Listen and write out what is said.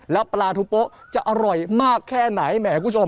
แล้วปลาทูโป๊ะจะอร่อยมากแค่ไหนแหมคุณผู้ชม